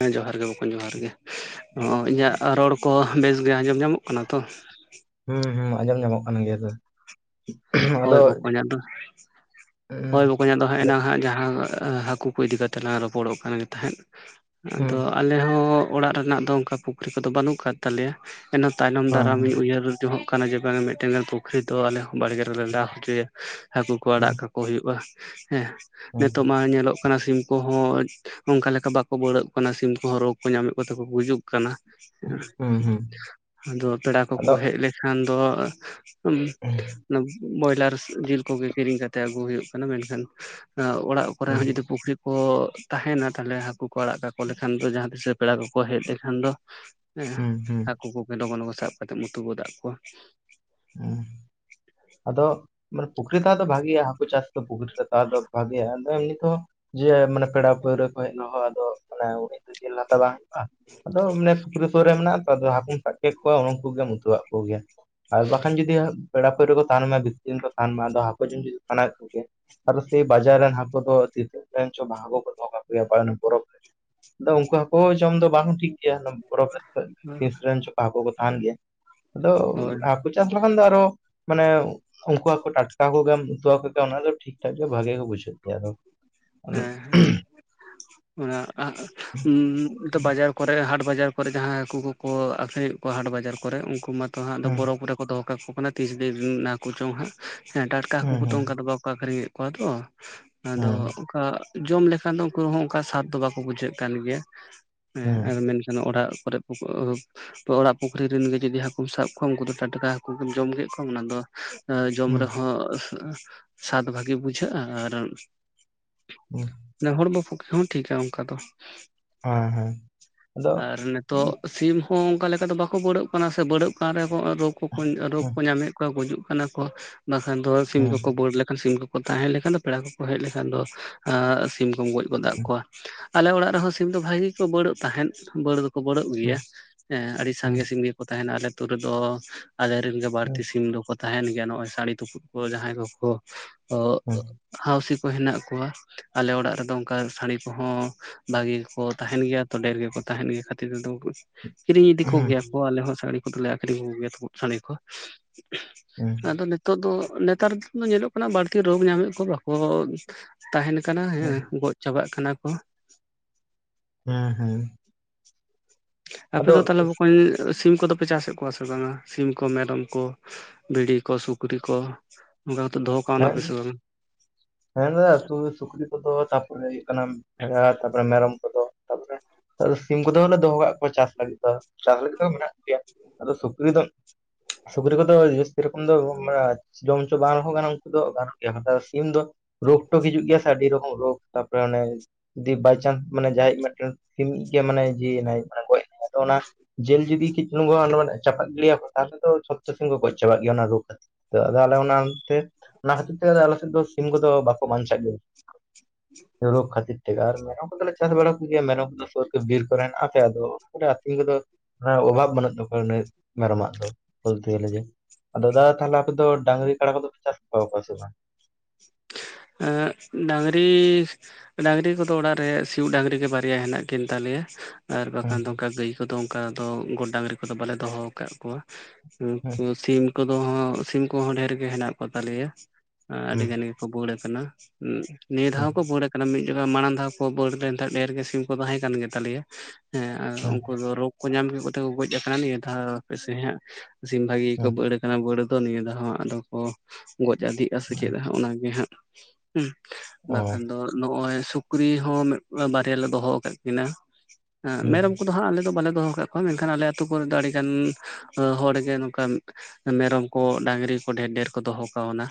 ᱦᱮᱸ ᱡᱚᱦᱟᱨ ᱜᱮ ᱵᱚᱠᱚᱧ ᱡᱚᱦᱟᱨ ᱜᱮ ᱚ ᱤᱧᱟᱹᱜ ᱨᱚᱲ ᱠᱚ ᱵᱮᱥ ᱜᱮ ᱟᱸᱡᱚᱢ ᱧᱟᱢᱚᱜ ᱠᱟᱱᱟ ᱛᱚ? ᱦᱩᱸ ᱦᱩᱸ ᱟᱸᱡᱚᱢ ᱧᱟᱢᱚᱜ ᱠᱟᱱ ᱜᱮᱭᱟ ᱫᱟ ᱦᱳᱭ ᱵᱚᱠᱚᱧ ᱟᱫᱚ ᱦᱩᱸ ᱦᱳᱭ ᱟᱫᱚ ᱵᱚᱠᱟᱧ ᱦᱩᱸ ᱮᱱᱟᱝ ᱦᱟᱸᱜ ᱡᱟᱦᱟᱸ ᱦᱟᱹᱠᱩ ᱠᱚ ᱤᱫᱤ ᱠᱟᱛᱮᱜ ᱞᱟᱝ ᱨᱚᱯᱚᱲᱚᱜ ᱠᱟᱱ ᱜᱮ ᱛᱟᱦᱮᱸᱫ ᱟᱫᱚ ᱟᱞᱮ ᱦᱚᱸ ᱚᱲᱟᱜ ᱨᱮᱱᱟᱜ ᱫᱚ ᱚᱱᱠᱟ ᱯᱩᱠᱷᱨᱤ ᱠᱚᱫᱚ ᱵᱟᱹᱱᱩᱜ ᱠᱟᱫ ᱛᱟᱞᱮᱭᱟ ᱮᱱ ᱛᱟᱭᱱᱚᱢ ᱦᱮᱸ ᱫᱟᱨᱟᱢᱤᱧ ᱩᱭᱦᱟᱹᱨ ᱡᱚᱜ ᱠᱟᱱᱟ ᱡᱮ ᱵᱟᱝ ᱢᱤᱫᱴᱮᱱᱜᱟᱱ ᱯᱩᱠᱷᱨᱤ ᱫᱚ ᱟᱞᱮ ᱦᱚᱸ ᱵᱟᱲᱜᱮ [unintelligible] ᱦᱚᱪᱚᱭᱟ ᱦᱟᱹᱠᱩ ᱠᱚ ᱦᱮᱸ ᱟᱲᱟᱜ ᱠᱟᱠᱚ ᱦᱩᱭᱩᱜ-ᱟ ᱦᱮᱸ ᱦᱩᱸ ᱱᱤᱛᱚᱜ ᱢᱟ ᱧᱮᱞᱚᱜ ᱠᱟᱱᱟ ᱥᱤᱢ ᱠᱚᱦᱚᱸ ᱚᱱᱠᱟ ᱞᱮᱠᱟ ᱵᱟᱠᱚ ᱵᱟᱹᱲᱚᱜ ᱠᱟᱱᱟ ᱥᱤᱢ ᱠᱚᱦᱚᱸ ᱨᱳᱜ ᱠᱚ ᱧᱟᱢᱮᱫ ᱠᱚ ᱛᱮ ᱠᱚ ᱜᱩᱡᱩᱜ ᱠᱟᱱᱟ ᱠᱟᱱᱟ ᱦᱩᱸ ᱦᱩᱸ ᱦᱩᱸ ᱟᱫᱚ ᱯᱮᱲᱟ ᱟᱫᱚ ᱠᱚᱠᱚ ᱦᱮᱡ ᱞᱮᱠᱷᱟᱱ ᱫᱚ ᱦᱩᱸ ᱵᱚᱭᱞᱟᱨ ᱡᱤᱞ ᱠᱚᱜᱮ ᱠᱤᱨᱤᱧ ᱠᱟᱛᱮᱫ ᱟᱹᱜᱩ ᱦᱩᱭᱩᱜ ᱠᱟᱱᱟ ᱢᱮᱱᱠᱷᱟᱱ ᱚᱲᱟᱜ ᱠᱚᱨᱮ ᱦᱚᱸ ᱦᱩᱸ ᱡᱩᱫᱤ ᱯᱩᱠᱷᱤᱨᱤ ᱠᱚ ᱠᱚ ᱛᱟᱦᱮᱱᱟ ᱛᱟᱦᱚᱞᱮ ᱦᱟᱹᱠᱩ ᱠᱚ ᱟᱲᱟᱜ ᱠᱟᱠᱚ ᱞᱮᱠᱷᱟᱱ ᱫᱚ ᱡᱟᱦᱟᱸ ᱛᱤᱥ ᱨᱮ ᱯᱮᱲᱟ ᱠᱚᱠᱚ ᱦᱮᱡ ᱞᱮᱱᱠᱷᱟᱱ ᱫᱚ ᱦᱮᱸ ᱦᱩᱸ ᱦᱩᱸ ᱦᱟᱹᱠᱩ ᱠᱚᱜᱮ ᱞᱚᱜᱚᱱ ᱞᱚᱜᱚᱱ ᱥᱟᱵ ᱠᱟᱛᱮᱫ ᱩᱛᱩ ᱜᱚᱫᱟᱜ ᱠᱚᱣᱟ᱾ ᱦᱮᱸ ᱟᱫᱚ ᱢᱟᱱᱮ ᱯᱩᱠᱷᱨᱤ ᱠᱷᱟᱡ ᱫᱚ ᱵᱷᱟᱜᱮᱭᱟ ᱦᱟᱹᱠᱩ ᱪᱟᱥ ᱫᱚ ᱯᱩᱠᱷᱨᱤ ᱛᱟᱨ ᱫᱚ ᱵᱷᱟᱜᱮᱭᱟ ᱟᱫᱚ ᱮᱢᱱᱤ ᱛᱚ ᱡᱮ ᱢᱟᱱᱮ ᱯᱮᱲᱟ ᱯᱟᱹᱲᱣᱨᱟᱹ ᱠᱷᱚᱱ ᱞᱚᱦᱚᱜ ᱟᱫᱚ ᱢᱟᱱᱮ ᱫᱚ ᱡᱤᱞ ᱞᱟᱛᱟᱣ ᱵᱟᱝ ᱦᱩᱭᱩᱜ-ᱟ᱾ ᱟᱫᱚ ᱟᱱᱮ ᱯᱩᱠᱷᱨᱤ ᱥᱩᱨ ᱨᱮ ᱢᱮᱱᱟᱜ ᱟᱫᱚ ᱦᱟᱹᱠᱩᱢ ᱥᱟᱵ ᱠᱮᱫ ᱠᱚᱣᱟ ᱩᱱᱠᱩ ᱜᱮᱢ ᱩᱛᱩᱣᱟᱜ ᱠᱚᱜᱮᱭᱟ ᱟᱨ ᱵᱟᱠᱷᱟᱱ ᱡᱩᱫᱤ ᱯᱮᱲᱟ ᱯᱟᱹᱲᱭᱟᱹ ᱛᱟᱦᱮᱱ ᱢᱟ ᱢᱤᱛ ᱫᱤᱱ ᱠᱚ ᱛᱟᱦᱮᱱ ᱢᱟ ᱟᱫᱚ ᱦᱟᱹᱠᱩ ᱡᱚᱢ ᱡᱩᱫᱤ ᱥᱟᱱᱟᱭᱮᱫ ᱠᱚᱜᱮ ᱟᱨ ᱥᱮᱭ ᱵᱟᱡᱟᱨ ᱨᱮᱱ ᱦᱟᱹᱠᱩ ᱫᱚ ᱛᱤᱥᱨᱮᱱᱪᱚᱝ ᱦᱟᱹᱠᱩ ᱠᱚ ᱫᱚᱦᱚ ᱠᱟᱜ ᱜᱮᱭᱟ ᱵᱚᱨᱚᱵ ᱨᱮ ᱟᱫᱚ ᱩᱱᱠᱩ ᱦᱟᱹᱠᱩ ᱡᱚᱢ ᱫᱚ ᱵᱟᱝ ᱦᱚᱸ ᱴᱷᱤᱠ ᱜᱮᱭᱟ ᱵᱚᱨᱚᱯ ᱨᱮᱱ ᱠᱚᱣᱟ ᱛᱤᱥ ᱨᱮᱱᱪᱚ ᱦᱟᱹᱠᱩ ᱠᱚ ᱛᱟᱦᱮᱱ ᱜᱮᱭᱟ ᱟᱫᱚ ᱦᱳᱭ ᱦᱟᱹᱠᱩ ᱪᱟᱥ ᱞᱮᱠᱷᱟᱱ ᱫᱚ ᱟᱨᱚ ᱢᱟᱱᱮ ᱩᱱᱠᱩᱣᱟᱜ ᱠᱚ ᱴᱟᱴᱠᱟ ᱦᱟᱠᱩᱜᱮᱢ ᱩᱛᱩ ᱟᱠᱚᱜᱮᱭᱟ ᱚᱱᱟ ᱫᱚ ᱴᱷᱤᱠ ᱴᱷᱟᱠ ᱜᱮ ᱵᱷᱟᱜᱮ ᱜᱮ ᱵᱩᱡᱷᱟᱹᱜ ᱜᱮᱭᱟ ᱟᱫᱚ ᱦᱩᱸ ᱦᱮᱸ ᱦᱮ ᱚᱱᱟ ᱵᱟᱡᱟᱨ ᱠᱚᱨᱮ ᱦᱟᱴ, ᱵᱟᱡᱟᱨ, ᱠᱚ ᱠᱚᱨᱮ ᱡᱟᱦᱟᱸᱭ ᱦᱟᱹᱠᱩ ᱠᱚᱠᱚ ᱟᱠᱷᱨ ᱠᱚᱣᱟ ᱦᱟᱴ ᱵᱟᱡᱟᱨ ᱠᱚᱨᱮ ᱩᱱᱠᱩ ᱢᱟᱛᱚᱟᱸᱜ ᱦᱩᱸ ᱵᱚᱨᱚᱯ ᱠᱚᱨᱮ ᱠᱚ ᱫᱚᱦᱚ ᱠᱚᱣᱟ ᱠᱚ ᱠᱷᱚᱱᱟ ᱛᱤᱥ ᱫᱤᱱ ᱦᱟᱠᱩ ᱪᱚᱝ ᱦᱟᱸᱜᱮᱸ ᱰᱟᱴᱠᱟ ᱦᱟᱹᱠᱩ ᱦᱩᱸ ᱠᱚ ᱫᱚᱝ ᱠᱟᱫᱟ ᱵᱟᱠᱚ ᱟᱠᱷᱟᱨᱤᱧ ᱠᱚᱣᱟ ᱛᱚ ᱟᱫᱚ ᱦᱩᱸ ᱡᱚᱢ ᱞᱮᱠᱷᱟᱱ ᱫᱚ ᱩᱱᱠᱩ ᱦᱚᱸ ᱚᱱᱠᱟ ᱥᱟᱫ ᱫᱚ ᱵᱟᱠᱚ ᱵᱩᱡᱷᱟᱹᱜ ᱠᱟᱱ ᱜᱮᱭᱟ ᱦᱮᱸ ᱦᱩᱸ ᱟᱨ ᱢᱮᱱᱠᱷᱟᱱ ᱚᱲᱟᱜ ᱠᱚᱨᱮ ᱚᱲᱟᱜ ᱯᱩᱠᱷᱨᱤ ᱨᱮᱱ ᱜᱮ ᱡᱩᱫᱤ ᱦᱟᱹᱠᱩᱢ ᱥᱟᱵ ᱠᱚᱣᱟ ᱩᱱᱠᱩ ᱫᱚ ᱴᱟᱴᱟᱠᱟ ᱦᱟᱹᱠᱩᱢ ᱡᱚᱢ ᱠᱮᱫ ᱠᱚᱣᱟ ᱚᱱᱟ ᱫᱚ ᱡᱚᱢ ᱦᱩᱸ ᱨᱮᱦᱚᱸ ᱥᱟᱫ ᱵᱷᱟᱹᱜᱤ ᱵᱩᱡᱷᱟᱹᱜ-ᱟ ᱟᱨ ᱦᱩᱸ ᱱᱮᱦᱚᱲ ᱦᱚᱲ ᱯᱩᱠᱷᱨᱤ ᱦᱚᱸ ᱴᱷᱠᱟ ᱚᱱᱠᱟ ᱫᱚ ᱦᱮᱸ ᱦᱮᱸ ᱟᱫᱚ ᱟᱨ ᱱᱤᱛᱚᱜ ᱦᱩᱸ ᱥᱤᱢ ᱦᱚᱸ ᱚᱱᱠᱟ ᱞᱮᱠᱟ ᱫᱚ ᱵᱟᱠᱚ ᱵᱟᱹᱲᱚᱜ ᱠᱟᱱᱟ ᱥᱮ ᱵᱟᱹᱲᱟᱹᱜ ᱠᱟᱱ ᱨᱮᱦᱚᱸ ᱨᱳᱜ ᱠᱚ ᱨᱳᱜ ᱦᱩᱸ ᱠᱚ ᱧᱟᱢᱮᱫ ᱠᱟᱱᱟᱣᱟ ᱚᱠᱟ ᱜᱩᱡᱩᱜ ᱠᱟᱱᱟ ᱠᱚ ᱵᱟᱠᱷᱟᱱ ᱫᱚ ᱥᱤᱢ ᱜᱚᱡᱩ ᱦᱩᱸ ᱠᱚᱱᱟ ᱠᱚ ᱵᱟᱹᱠᱷᱟᱱ ᱫᱚ ᱥᱤᱢ ᱠᱚᱠᱚ ᱵᱟᱬ ᱞᱮᱠᱷᱟᱱ ᱥᱤᱢ ᱠᱚᱠᱚ ᱛᱟᱦᱮᱸ ᱞᱮᱠᱷᱟᱱ ᱫᱚ ᱯᱮᱲᱟ ᱠᱚᱠᱚ ᱦᱮᱡ ᱞᱮᱠᱷᱟᱱ ᱫᱚ ᱥᱤᱢ ᱠᱚᱢ ᱜᱚᱡ ᱜᱚᱫᱟᱜ ᱠᱚᱣᱟ ᱟᱞᱮ ᱚᱲᱟᱜ ᱨᱮᱦᱚᱸ ᱥᱤᱢ ᱫᱚ ᱵᱷᱟᱜᱤ ᱜᱮ ᱠᱚ ᱵᱟᱹᱲᱚᱜ ᱛᱟᱦᱮᱸᱫ ᱵᱟᱹᱲ ᱫᱚ ᱠᱟᱹᱵᱟᱹᱲᱚᱜ ᱜᱮᱭᱟ ᱦᱮᱸ ᱟᱹᱰᱤ ᱦᱩᱸ ᱥᱟᱸᱜᱮ ᱥᱤᱢ ᱜᱮᱠᱚ ᱛᱟᱦᱮᱱᱟ ᱟᱛᱳ ᱨᱮᱫᱚ ᱟᱞᱮᱨᱮᱱ ᱦᱩᱸ ᱵᱟᱹᱲᱛᱤ ᱥᱤᱢ ᱫᱚᱠᱚ ᱛᱟᱦᱮᱱ ᱜᱮᱭᱟ ᱱᱚᱜ-ᱚᱭ ᱥᱟᱹᱲᱤ ᱛᱩᱯᱩᱫ ᱠᱚ ᱡᱟᱦᱟᱸᱭ ᱠᱚᱠᱚ ᱦᱩᱸ ᱦᱟᱣᱥᱤ ᱦᱮᱱᱟᱜ ᱠᱚᱣᱟ ᱟᱞᱮ ᱚᱲᱟᱜ ᱨᱮᱫᱚ ᱚᱱᱠᱟ ᱥᱟᱹᱲᱤ ᱠᱚᱦᱚᱸ ᱵᱷᱟᱜᱤ ᱜᱮᱠᱚ ᱛᱟᱦᱮᱱ ᱜᱮᱭᱟ ᱛᱚ ᱰᱷᱮᱨ ᱜᱮᱠᱚ ᱛᱟᱦᱮᱱ ᱜᱮᱭᱟ ᱠᱷᱟᱹᱛᱤᱨ ᱠᱤᱨᱤᱧ ᱤᱫᱤ ᱦᱩᱸ ᱠᱚᱜᱮᱭᱟᱠᱚ ᱟᱞᱮ ᱦᱚᱸ ᱥᱟᱹᱲᱤ ᱠᱚᱫᱚᱞᱮ ᱟᱠᱷᱨᱤᱧ ᱠᱚᱜᱮᱭᱟ ᱛᱩᱯᱚᱫ ᱥᱟᱹᱰᱤ ᱠᱚ᱾ ᱟᱫᱚ ᱱᱤᱛᱚᱜ ᱫᱚ ᱱᱮᱛᱟᱨ ᱫᱚ ᱧᱮᱞᱚᱜ ᱠᱟᱱᱟ ᱵᱟᱹᱲᱛᱤ ᱨᱳᱜᱽ ᱧᱟᱢᱮᱫ ᱠᱚ ᱵᱟᱠᱚ ᱛᱟᱦᱮᱱ ᱠᱟᱱᱟ ᱦᱮᱸ ᱦᱩᱸ ᱜᱚᱡ ᱪᱟᱵᱟᱜ ᱠᱟᱱᱟ ᱠᱚ᱾ ᱦᱮᱸ ᱦᱮᱸ᱾ ᱟᱯᱮ ᱫᱚ ᱛᱟᱦᱚᱞᱮ ᱵᱚᱠᱚᱧ ᱥᱤᱢ ᱠᱚᱫᱚ ᱯᱮ ᱪᱟᱥᱮᱫ ᱠᱚᱣᱟ ᱥᱮ ᱵᱟᱝᱟ ᱥᱤᱢ ᱠᱚ ᱢᱮᱨᱚᱢ ᱠᱚ ᱵᱷᱤᱲᱤ ᱠᱚ ᱥᱩᱠᱨᱤ ᱠᱚ ᱚᱱᱠᱟ ᱫᱚᱦᱚ ᱠᱟᱣᱱᱟ ᱦᱮᱸ ᱯᱮ ᱥᱮ ᱵᱟᱝ ᱦᱮᱸ ᱫᱟᱫᱟ ᱛᱚ ᱥᱩᱠᱨᱤ ᱠᱚᱫᱚ ᱛᱟᱯ ᱚᱱᱮ ᱦᱩᱭᱩᱜ ᱠᱟᱱᱟ ᱵᱷᱮᱲᱟ ᱛᱟᱯᱚᱨᱮ ᱢᱮᱨᱚᱢ ᱠᱚᱫᱚ᱾ ᱛᱟᱯᱚᱨᱮ ᱥᱤᱢ ᱠᱚᱫᱚ ᱦᱚᱞᱮ ᱫᱚᱦᱚ ᱠᱟᱜ ᱠᱚᱣᱟ ᱪᱟᱥ ᱞᱟᱹᱜᱤᱫ ᱫᱚ ᱪᱟᱥ ᱞᱟᱹᱜᱤᱫ ᱫᱚ ᱢᱮᱱᱟᱜ ᱜᱮᱭᱟ᱾ ᱟᱫᱚ ᱥᱩᱠᱨᱤ ᱫᱚ ᱥᱩᱠᱨᱤ ᱠᱚᱫᱚ ᱡᱟᱹᱥᱛᱤ ᱨᱚᱠᱚᱢ ᱫᱚ ᱡᱚᱢ ᱦᱚᱪᱚ ᱵᱟᱝ ᱨᱮᱦᱚᱸ ᱫᱚ ᱜᱟᱱᱚᱜ ᱜᱮᱭᱟ ᱥᱤᱢ ᱫᱚ ᱨᱳᱜ ᱴᱳᱜ ᱦᱤᱡᱩᱜ ᱜᱮᱭᱟ ᱥᱮ ᱟᱹᱰᱤ ᱨᱚᱠᱚᱢ ᱨᱳᱜ ᱛᱟᱯᱚᱨᱮ ᱚᱱᱮ ᱡᱩᱫᱤ ᱵᱟᱭᱪᱟᱱᱥ ᱢᱟᱱᱮ ᱡᱟᱦᱟᱸᱭᱤᱡ ᱢᱤᱫᱴᱮᱱ ᱥᱤᱢᱤᱡ ᱜᱮ ᱢᱟᱱᱮ ᱡᱤᱣᱤ ᱮᱱᱟᱭ ᱜᱚᱡ ᱮᱱᱟᱭ ᱟᱫᱚ ᱚᱱᱟ ᱡᱮᱞ ᱡᱩᱫᱤ ᱠᱮᱪ ᱪᱩᱞᱩᱝ ᱠᱚ [unintelligible] ᱪᱟᱯᱟᱫ ᱜᱤᱰᱤᱭᱟᱠᱚ ᱛᱟᱦᱚᱞᱮ ᱫᱚ ᱡᱷᱚᱛᱟ ᱥᱤᱢ ᱠᱚ ᱜᱚᱡ ᱪᱟᱵᱟᱜ ᱜᱮᱭᱟ ᱚᱱᱟ ᱨᱳᱜ ᱟᱫᱚ ᱟᱞᱮ ᱚᱱᱟᱛᱮ ᱚᱱᱟ ᱠᱷᱟᱹᱛᱤᱨ ᱛᱮ ᱟᱞᱮ ᱥᱮᱫ ᱫᱚ ᱥᱤᱢ ᱠᱚᱫᱚ ᱵᱟᱠᱚ ᱵᱟᱧᱪᱟᱜ ᱜᱮᱭᱟ᱾ ᱨᱳᱜ ᱠᱷᱟᱹᱛᱤᱨ ᱛᱮᱜᱮ ᱟᱨ ᱢᱮᱨᱚᱢ ᱠᱚᱫᱚᱞᱮ ᱪᱟᱥ ᱵᱟᱲᱟ ᱠᱚᱜᱮᱭᱟ ᱢᱮᱨᱚᱢ ᱠᱚᱫᱚ ᱥᱳᱨ ᱠᱨᱮᱵᱤᱨ ᱠᱚᱨᱮᱱᱟᱜᱮ ᱟᱫᱚ ᱟᱹᱛᱤᱧ ᱠᱚᱫᱚ᱾ ᱦᱮ ᱚᱵᱷᱟᱵ ᱵᱟᱹᱱᱩᱜ ᱛᱟᱠᱚᱣᱟ ᱢᱮᱨᱚᱢᱟᱜ ᱫᱚ ᱵᱚᱞᱛᱮ ᱜᱮᱞᱮ ᱡᱮ᱾ ᱫᱟᱫᱟ ᱛᱟᱦᱚᱞᱮ ᱟᱯᱮ ᱫᱚ ᱰᱟᱝᱨᱤ ᱠᱟᱰᱟ ᱠᱚᱫᱚ ᱯᱮ ᱪᱟᱥ ᱠᱚᱣᱟ ᱥᱮ ᱵᱟᱝ? ᱮᱜ ᱰᱟᱝᱨᱤ ᱰᱟᱝᱨᱤ ᱠᱚᱫᱚ ᱚᱲᱟᱜ ᱨᱮ ᱥᱤᱭᱳᱜ ᱰᱟᱝᱨᱤ ᱜᱮ ᱵᱟᱨᱭᱟ ᱦᱮᱱᱟᱜ ᱠᱤᱱ ᱛᱟᱞᱮᱭᱟ᱾ ᱟᱨ ᱦᱩᱸ ᱵᱟᱠᱷᱟᱱ ᱫᱚ ᱚᱱᱠᱟ ᱜᱟᱹᱭ ᱠᱚᱫᱚ ᱚᱱᱠᱟ ᱫᱚ ᱜᱚᱴ ᱰᱟᱝᱨᱤ ᱠᱚᱫᱚ ᱵᱟᱞᱮ ᱫᱚᱦᱚ ᱟᱠᱟᱜ ᱠᱚᱣᱟ᱾ ᱦᱩᱸ ᱩᱱᱠᱩ ᱥᱤᱢ ᱠᱚᱫᱚ ᱥᱤᱢ ᱠᱚᱦᱚᱸ ᱰᱷᱮᱨ ᱜᱮ ᱦᱮᱱᱟᱜ ᱠᱚ ᱛᱟᱞᱮᱭᱟ᱾ ᱮ ᱦᱩᱸ ᱟᱹᱰᱤᱜᱟᱱ ᱜᱮᱠᱚ ᱵᱟᱹᱲ ᱠᱟᱱᱟ ᱦᱩᱸ ᱱᱤᱭᱟᱹ ᱫᱷᱟᱣ ᱦᱩᱸ ᱦᱚᱸᱠᱚ ᱵᱟᱹᱲ ᱠᱟᱱᱟ ᱢᱤᱫ ᱡᱚᱠᱷᱟᱡ ᱢᱟᱲᱟᱝ ᱫᱷᱟᱣ ᱠᱚ ᱵᱟᱹᱲ ᱞᱮᱱ ᱛᱟᱸᱦᱮᱫ ᱰᱷᱮᱨ ᱜᱮ ᱥᱤᱢ ᱠᱚ ᱛᱟᱦᱮᱸ ᱠᱟᱱ ᱜᱮᱛᱟ ᱞᱮᱭᱟ᱾ ᱦᱮᱸ ᱟᱨ ᱦᱩᱸ ᱩᱱᱠᱩ ᱫᱚ ᱨᱳᱜᱽ ᱠᱚ ᱧᱟᱢ ᱠᱮᱫ ᱠᱟᱛᱮ ᱠᱚ ᱜᱚᱡ ᱟᱠᱟᱱᱟ ᱱᱤᱭᱟᱹ ᱫᱷᱟᱹᱣ ᱦᱟᱯᱮ ᱥᱮ ᱦᱟᱸᱜ᱾ ᱥᱤᱢ ᱵᱷᱟᱜᱤ ᱜᱮᱠᱚ ᱦᱩᱸ ᱵᱟᱹᱲ ᱟᱠᱟᱱᱟ ᱵᱟᱹᱲ ᱫᱚ ᱱᱤᱭᱟᱹ ᱫᱷᱟᱣ ᱦᱟᱸᱜ ᱟᱫᱚ ᱠᱚ ᱜᱚᱡ ᱟᱫᱤᱜ-ᱟ ᱥᱮ ᱦᱩᱸ ᱪᱮᱫ ᱦᱟᱜ ᱚᱱᱟᱜᱮ ᱦᱟᱜ ᱦᱩᱸ ᱚ ᱵᱟᱠᱷᱟᱱ ᱫᱚ ᱱᱚᱜ-ᱚᱭ ᱥᱩᱠᱨᱤ ᱦᱚ ᱢᱤᱫ ᱵᱟᱨᱭᱟ ᱞᱮ ᱫᱚᱦᱚ ᱟᱠᱟᱫ ᱠᱤᱱᱟ᱾ ᱦᱮᱸ ᱦᱩᱸ ᱢᱮᱨᱚᱢ ᱠᱚᱫᱚ ᱦᱟᱜ ᱟᱞᱮ ᱫᱚ ᱵᱟᱞᱮ ᱫᱚᱦᱚ ᱠᱟᱜ ᱦᱳᱭ ᱢᱮᱱᱠᱷᱟᱱ ᱟᱞᱮ ᱟᱹᱛᱩ ᱠᱚᱨᱮ ᱫᱚ ᱟᱹᱰᱤ ᱜᱟᱱ ᱦᱚᱲᱜᱮ ᱱᱚᱝᱠᱟ ᱢᱮᱨᱚᱢ ᱠᱚ ᱰᱟᱝᱨᱤ ᱠᱚ ᱰᱷᱮᱨ ᱰᱷᱮᱨ ᱠᱚ ᱫᱚᱦᱚ ᱠᱟᱣᱱᱟ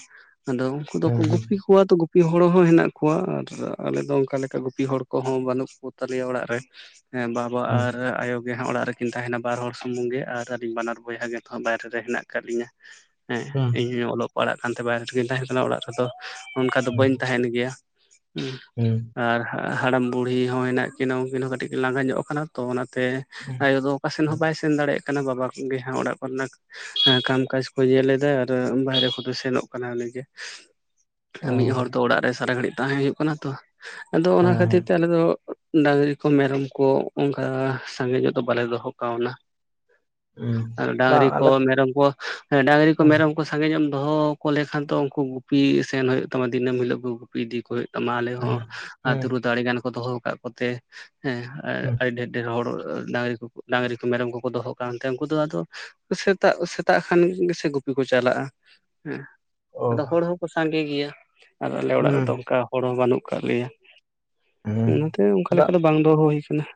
ᱟᱫᱚ ᱩᱱᱠᱩ ᱦᱩᱸ ᱦᱩᱸ ᱫᱚᱠᱚ ᱜᱩᱯ ᱦᱩᱸ ᱠᱚᱣᱟ ᱛᱚ ᱜᱩᱯᱤ ᱦᱚᱲ ᱦᱚᱸ ᱦᱮᱱᱟᱜ ᱠᱚᱣᱟ ᱟᱨ ᱟᱞᱮ ᱫᱚ ᱚᱱᱠᱟ ᱞᱮᱠᱟ ᱜᱩᱯᱤ ᱦᱚᱲ ᱠᱚᱦᱚᱸ ᱵᱟᱹᱱᱩᱜ ᱠᱚ ᱛᱟᱞᱮᱭᱟ ᱚᱲᱟᱜ ᱨᱮ᱾ ᱦᱮᱸ ᱵᱟᱵᱟ ᱟᱨ ᱟᱭᱳ ᱜᱮ ᱦᱟᱜ ᱚᱲᱟᱜ ᱨᱮᱠᱤᱱ ᱛᱟᱦᱮᱱᱟ ᱵᱟᱨ ᱦᱚᱲ ᱥᱩᱢᱩᱝ ᱜᱮ ᱟᱨ ᱟᱹᱞᱤᱧ ᱵᱟᱱᱟᱨ ᱵᱚᱭᱦᱟ ᱜᱮᱛᱚ ᱦᱟᱜ ᱵᱟᱭᱨᱮ ᱛᱮ ᱦᱮᱱᱟᱜ ᱠᱟᱫ ᱞᱤᱧᱟᱹ᱾ ᱦᱮᱸ ᱦᱩᱸ ᱤᱧ ᱦᱚᱸᱧ ᱚᱞᱚᱜ ᱯᱟᱲᱦᱟᱜ ᱠᱟᱱᱛᱮ ᱵᱟᱭᱨᱮ ᱨᱮᱜᱤᱧ ᱛᱟᱦᱮᱸᱱ ᱠᱟᱱᱟ᱾ ᱚᱲᱟᱜ ᱨᱮᱫᱚ ᱚᱱᱠᱟ ᱫᱚ ᱵᱟᱹᱧ ᱛᱟᱦᱮᱱ ᱜᱮᱭᱟ᱾ ᱦᱩᱸ᱾ ᱟᱨ ᱦᱟᱲᱟᱢ ᱵᱩᱲᱦᱤ ᱦᱚᱸ ᱦᱮᱱᱟᱜ ᱠᱤᱱᱟ ᱩᱱᱠᱤᱱ ᱦᱚᱸ ᱠᱟᱹᱴᱤᱡ ᱠᱤᱱ ᱞᱟᱸᱜᱟ ᱧᱚᱜ ᱠᱟᱱᱟ ᱛᱚ ᱚᱱᱟᱛᱮ ᱦᱩᱸ ᱟᱭᱳ ᱫᱚ ᱚᱠᱟ ᱥᱮᱱ ᱦᱚᱸ ᱵᱟᱭ ᱥᱮᱱ ᱫᱟᱲᱮᱭᱟᱜ ᱠᱟᱱᱟ ᱵᱟᱵᱟ ᱠᱚᱜᱮ ᱚᱲᱟᱜ ᱠᱚᱨᱮᱱᱟᱜ ᱦᱮᱸ ᱠᱟᱢ ᱠᱟᱡ ᱠᱚ ᱧᱮᱞ ᱮᱫᱟ ᱟᱨ ᱵᱟᱦᱨᱮ ᱠᱚᱫᱚ ᱥᱮᱱᱚᱜ ᱠᱟᱱᱟ ᱩᱱᱤ ᱜᱮ᱾ ᱢᱤᱫ ᱚ ᱦᱚᱲ ᱫᱚ ᱚᱲᱟᱜ ᱨᱮ ᱥᱟᱨᱟ ᱜᱷᱟᱹᱲᱤᱡ ᱛᱟᱸᱦᱮ ᱦᱩᱭᱩᱜ ᱠᱟᱱᱟ ᱛᱚ᱾ ᱟᱫᱚ ᱚᱱᱟ ᱦᱮᱸ ᱠᱷᱟᱹᱛᱤᱨ ᱦᱮᱸ ᱛᱮ ᱟᱞᱮ ᱫᱚ ᱰᱟᱹᱝᱨᱤ ᱠᱚ ᱢᱮᱨᱚᱢ ᱠᱚ ᱚᱱᱠᱟ ᱥᱟᱸᱜᱮ ᱧᱚᱜ ᱫᱚ ᱵᱟᱞᱮ ᱫᱚᱦᱚ ᱠᱟᱣᱱᱟ᱾ ᱦᱩᱸ ᱵᱟᱝ ᱰᱟᱹᱝᱨᱤ ᱠᱚ ᱟᱞᱮ ᱢᱮᱨᱚᱢ ᱠᱚ ᱦᱮᱸ ᱰᱟᱹᱝᱨᱤ ᱠᱚ ᱦᱩᱸ ᱢᱮᱨᱚᱢ ᱩᱱᱠᱩ ᱥᱟᱸᱜᱮ ᱧᱚᱜ ᱮᱢ ᱫᱚᱦᱚ ᱠᱚ ᱞᱮᱠᱷᱟᱱ ᱫᱚ ᱩᱱᱠᱩ ᱜᱩᱯᱤ ᱥᱮᱱ ᱦᱩᱭᱩᱜ ᱛᱟᱢᱟ ᱫᱤᱱᱟᱹᱢ ᱦᱤᱞᱳᱜ ᱜᱮ ᱜᱩᱯᱤ ᱤᱫᱤ ᱠᱚ ᱦᱩᱭᱩᱜ ᱛᱟᱢᱟ ᱟᱞᱮ ᱦᱚᱸ ᱟᱹᱛᱩ ᱦᱩᱸ ᱨᱮᱫᱚ ᱟᱹᱰᱤᱜᱟᱱ ᱜᱟᱱ ᱠᱚ ᱫᱚᱦᱚ ᱟᱠᱟᱫ ᱠᱚᱛᱮ ᱦᱮᱸ ᱦᱩᱸ ᱟᱹᱰᱤ ᱰᱷᱮᱨ ᱰᱷᱮᱨ ᱦᱚᱲ ᱰᱟᱝᱨᱤ ᱰᱟᱝᱨᱤ ᱠᱚ ᱢᱮᱨᱚᱢ ᱠᱚᱠᱚ ᱫᱚᱦᱚ ᱠᱟᱱᱛᱮ ᱩᱱᱠᱩ ᱫᱚ ᱟᱫᱚ ᱥᱮᱛᱟᱜ ᱥᱮᱛᱟᱜ ᱠᱷᱟᱱ ᱜᱮᱥᱮ ᱜᱩᱯᱤ ᱠᱚ ᱪᱟᱞᱟᱜᱼᱟ ᱦᱮᱸ ᱾ ᱟᱫᱚ ᱚ ᱦᱚᱲ ᱦᱚᱸᱠᱚ ᱥᱟᱸᱜᱮ ᱜᱮᱭᱟ ᱟᱫᱚ ᱟᱞᱮ ᱚᱲᱟᱜ ᱦᱩᱸ ᱨᱮᱫᱚ ᱚᱱᱠᱟ ᱦᱚᱲ ᱦᱚᱸ ᱵᱟᱹᱱᱩᱜ ᱠᱟᱫ ᱞᱮᱭᱟ ᱾ ᱦᱩᱸ ᱚᱱᱟᱛᱮ ᱚᱱᱠᱟ ᱫᱟ ᱞᱮᱠᱟ ᱫᱚ ᱵᱟᱝ ᱫᱚᱦᱚ ᱦᱩᱭ ᱠᱟᱱᱟ ᱾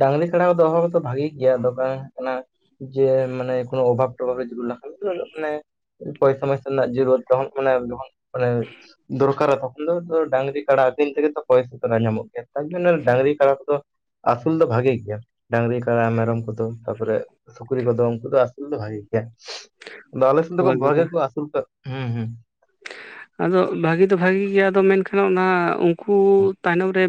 ᱰᱟᱝᱨᱤ ᱠᱟᱲᱟ ᱫᱚ ᱫᱚᱦᱚ ᱠᱚᱫᱚ ᱵᱷᱟᱜᱤ ᱜᱮᱭᱟ, ᱫᱚ ᱵᱟᱝ ᱦᱩᱭᱩᱜ ᱠᱟᱱᱟ ᱡᱮ ᱢᱟᱱᱮ ᱠᱳᱱᱳ ᱚᱵᱷᱟᱵ ᱴᱚᱵᱷᱟᱵ ᱡᱮ ᱢᱟᱱᱮ ᱯᱚᱭᱥᱟ ᱢᱚᱭᱥᱟ ᱨᱮᱱᱟᱜ ᱡᱟᱨᱩᱶᱟ ᱫᱚ ᱚᱜ ᱢᱟᱱᱮ ᱢᱟᱱᱮ ᱫᱚᱨᱠᱟᱨᱟ ᱛᱚᱠᱷᱚᱱ ᱫᱚ ᱰᱟᱹᱝᱨᱤ ᱠᱟᱰᱟ ᱟᱹᱫᱤᱱ ᱛᱮᱜᱮ ᱛᱚ ᱯᱚᱭᱥᱟ ᱫᱚ ᱧᱟᱢᱚᱜ ᱜᱮᱭᱟ ᱾ ᱟᱨ ᱡᱚᱱ ᱰᱟ. ᱝᱨᱤ ᱠᱟᱬᱟ ᱠᱚᱫᱚ ᱟᱹᱥᱩᱞ ᱫᱚ ᱵᱷᱟᱜᱤ ᱜᱮᱭᱟ ᱾ ᱰᱟᱹᱝᱨᱤ, ᱠᱟᱬᱟ, ᱢᱮᱨᱚᱢ ᱠᱚᱫᱚ ᱛᱟᱯᱚᱨᱮ ᱥᱩᱠᱨᱤ ᱠᱚᱫᱚ ᱩᱱᱠᱩ ᱫᱚ ᱟᱥᱩᱞ ᱫᱚ ᱵᱷᱟᱜᱤ ᱜᱮᱭᱟ ᱾ ᱟᱞᱮ ᱥᱮᱫ ᱫᱚ ᱠᱚ ᱦᱳᱭ ᱵᱟᱹᱵᱩ [unintelligible] ᱠᱚ ᱟᱥᱩᱞ ᱠᱟᱜ ᱛᱚ᱾ ᱦᱩᱸ ᱦᱩᱸ ᱟᱫᱚ ᱵᱷᱟᱹᱜᱤ ᱫᱚ ᱵᱷᱟᱜᱮ ᱜᱮᱭᱟ ᱟᱫᱚ ᱢᱮᱱᱠᱷᱟᱱ ᱚᱱᱟ ᱩᱱᱠᱩ ᱛᱟᱭᱱᱚᱢ ᱨᱮ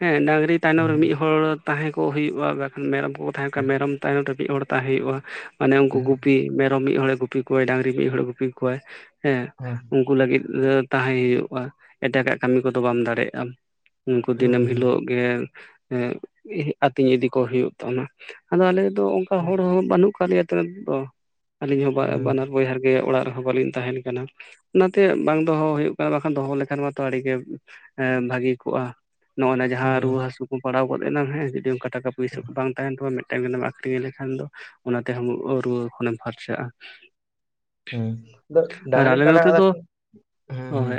ᱦᱮᱸ ᱰᱟᱝᱨᱤ ᱛᱟᱭᱱᱚᱢ ᱨᱮ ᱦᱩᱸ ᱢᱤᱫ ᱦᱚᱲ ᱛᱟᱦᱮᱸ ᱠᱚᱜ ᱦᱩᱭᱩᱜᱼᱟ, ᱵᱟᱠᱷᱟᱱ ᱢᱮᱨᱚᱢ ᱠᱚᱠᱚ ᱛᱟᱦᱮᱸ ᱠᱟᱱᱟ ᱢᱮᱨᱚᱢ ᱛᱟᱭᱱᱚᱢ ᱨᱮ ᱢᱤᱫ ᱦᱚᱲ ᱛᱟᱦᱮᱸ ᱦᱩᱭᱩᱜᱼᱟ ᱢᱟᱱᱮ ᱦᱩᱸ ᱦᱩᱸ ᱩᱱᱠᱩ ᱦᱩᱸ ᱜᱩᱯᱤ ᱢᱮᱨᱚᱢ ᱢᱤᱫ ᱦᱚᱲ ᱮ ᱜᱩᱯᱤ ᱠᱚᱣᱟᱭ, ᱰᱟᱹᱝᱨᱤ ᱢᱤᱫ ᱦᱚᱲ ᱮ ᱜᱩᱯᱤ ᱠᱚᱣᱟᱭ ᱦᱮᱸ᱾ ᱦᱚᱭ ᱾ ᱩᱱᱠᱩ ᱞᱟᱹᱜᱤᱫ ᱛᱟᱦᱮᱸ ᱦᱩᱭᱩᱜᱼᱟ ᱮᱴᱟᱜᱟᱜ ᱠᱟᱹᱢᱤ ᱠᱚᱫᱚ ᱵᱟᱢ ᱫᱟᱲᱮᱭᱟᱜᱼᱟ ᱟᱢ ᱾ ᱩᱱᱠᱩ ᱫᱤᱱᱮᱢ ᱦᱤᱞᱚᱜ ᱜᱮ ᱦᱮ ᱟᱹᱛᱤᱧ ᱤᱫᱤ ᱠᱚ ᱦᱩᱭᱩᱜ ᱛᱟᱢᱟ ᱾ ᱟᱫᱚ ᱟᱞᱮ ᱫᱚ ᱚᱱᱠᱟ ᱦᱚᱲ ᱦᱚᱸ ᱵᱟᱹᱱᱩᱜ ᱠᱟᱜ ᱞᱮᱭᱟ ᱛᱚ ᱟᱹᱞᱤᱧ ᱦᱚᱸ ᱦᱩᱸ ᱵᱟᱱᱟᱨ ᱵᱚᱭᱦᱟ ᱜᱮ ᱚᱲᱟᱜ ᱨᱮᱦᱚᱸ ᱵᱟᱹᱞᱤᱧ ᱛᱟᱦᱮᱱ ᱠᱟᱱᱟ᱾ ᱚᱱᱟᱛᱮ ᱵᱟᱝ ᱫᱚᱦᱚ ᱦᱩᱭᱩᱜ ᱠᱟᱱᱟ ᱵᱟᱠᱷᱟᱱ ᱫᱚᱦᱚ ᱞᱮᱠᱷᱟᱱ ᱢᱟᱛᱚ ᱟᱹᱰᱤ ᱜᱮ ᱵᱷᱟᱹᱜᱤ ᱠᱚᱜᱼᱟ ᱾ ᱱᱚᱜᱼᱚᱭ ᱡᱟᱦᱟᱸ ᱨᱩᱶᱟᱹ ᱦᱩᱸ ᱦᱟᱹᱥᱩ ᱠᱚ ᱯᱟᱲᱟᱣ ᱜᱚᱫ ᱮᱱᱟ ᱦᱮᱸ ᱡᱩᱫᱤ ᱚᱱᱠᱟ ᱴᱟᱠᱟ ᱯᱚᱭᱥᱟ ᱠᱚ ᱵᱟᱝ ᱛᱟᱦᱮᱱ ᱛᱟᱢᱟ ᱢᱤᱫᱴᱟᱝ ᱜᱟᱱ ᱟᱠᱷᱨᱤᱧ ᱞᱮᱠᱷᱟᱱ ᱫᱚ ᱚᱱᱟᱛᱮ ᱨᱩᱣᱟᱹ ᱠᱷᱚᱱ ᱮᱢ ᱯᱷᱟᱨᱪᱟᱜᱼᱟ ᱾ ᱦᱮᱸ ᱟᱫᱚ ᱰᱟᱝᱨᱤ, ᱟᱞᱮ ᱠᱟᱰᱟ ᱱᱚᱛᱮ [unintelligible] ᱦᱮᱸ ᱦᱮᱸ